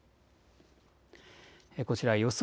こちら予想